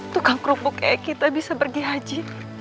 tukang kerupuk eh kita bisa pergi haji